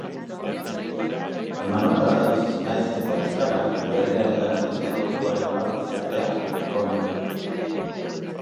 leku bat eskaini gura izan diegu, batzeko eta egiten dakitena erakusteko